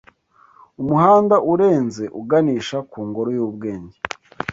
Umuhanda urenze uganisha ku ngoro y'ubwenge